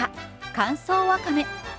乾燥わかめ。